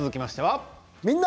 「みんな！